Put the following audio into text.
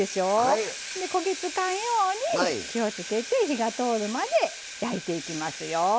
焦げ付かんように火が通るまで焼いていきますよ。